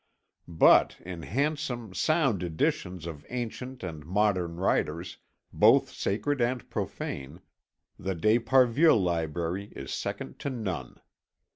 But in handsome, sound editions of ancient and modern writers, both sacred and profane, the d'Esparvieu library is second to none.